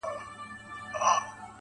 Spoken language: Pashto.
تېره جنازه سوله اوس ورا ته مخامخ يمه.